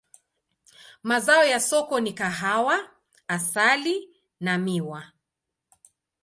Mazao ya soko ni kahawa, asali na miwa.